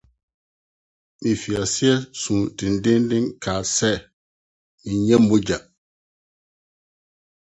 Mifii ase sui denneennen, kae sɛ minnye mogya.